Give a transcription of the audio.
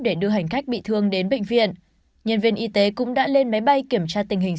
để đưa hành khách bị thương đến bệnh viện nhân viên y tế cũng đã lên máy bay kiểm tra tình hình